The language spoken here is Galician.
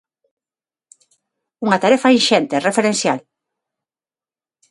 Unha tarefa inxente, referencial.